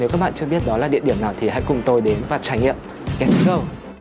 nếu các bạn chưa biết đó là địa điểm nào thì hãy cùng tôi đến và trải nghiệm let s go